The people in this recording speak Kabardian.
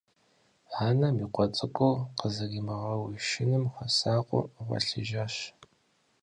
Анэм и къуэ цӀыкӀур къызэримыгъэушыным хуэсакъыу гъуэлъыжащ.